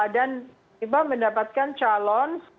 dan tiba tiba mendapatkan calon